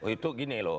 itu gini loh